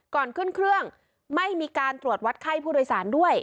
ก่อนขึ้นเครื่องไม่มีการตรวจวัดไข้ผู้โดยสารด้วย